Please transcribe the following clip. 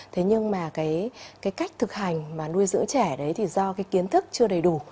thế nhưng mà cái cách thực hành mà nuôi dưỡng trẻ đấy thì do cái kiến thức chưa đầy đủ